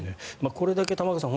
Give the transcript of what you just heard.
これだけ玉川さん